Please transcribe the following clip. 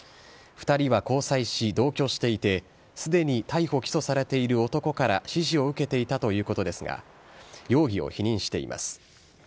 ２人は交際し、同居していて、すでに逮捕・起訴されている男から指示を受けていたということですが、容疑を否認しています。